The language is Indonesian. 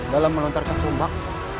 dalam melontarkan rombak